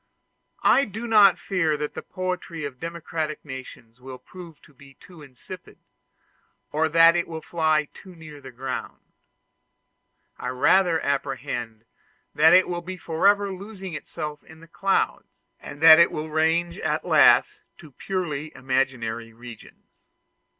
I do not fear that the poetry of democratic nations will prove too insipid, or that it will fly too near the ground; I rather apprehend that it will be forever losing itself in the clouds, and that it will range at last to purely imaginary regions.